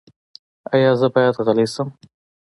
ایا زه باید غلی شم؟